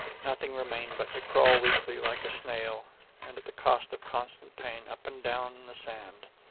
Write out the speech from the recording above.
Nothing remained but to crawl weakly, like a snail, and at the cost of constant pain, up and down the sand.